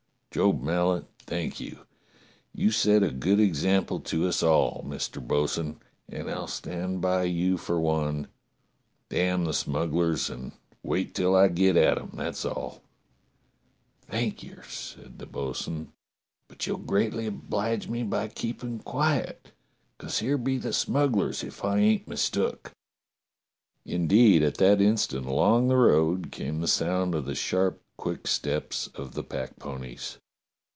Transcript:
Job Mallet, thank you ! You set a good example to us all, Mister Bo'sun, and I'll stand by you for one. Damn the smugglers, and wait till I get at 'em, that's all!" "Thank yer," said the bo'sun, "but you'll greatly oblige me by keeping quiet, 'cos here be the smugglers^ if I ain't mistook." Indeed at that instant along the road came the sound of the sharp, quick steps of the packponies.